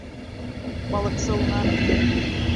Балыҡсы унан: